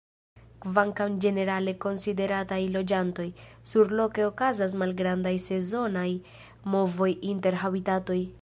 Kvankam ĝenerale konsiderataj loĝantoj, surloke okazas malgrandaj sezonaj movoj inter habitatoj.